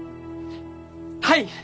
はい！